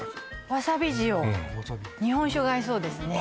わさび塩日本酒が合いそうですね